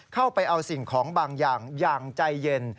เข้าไปเอาสิ่งของบางอย่างอย่างใจเย็น